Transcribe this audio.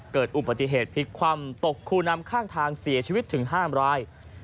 เกิดอุบัติเหตุพลิกคว่ำตกคูน้ำข้างทางเสียชีวิตถึง๕ราย